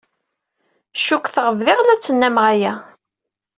Cukkteɣ bdiɣ la ttnameɣ aya.